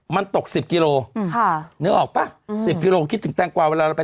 มันตกสิบกิโลค่ะเดี๋ยวออกป่ะเอ่อหืมสิบกิโลคิดถึงแตงกวาเวลาเราไป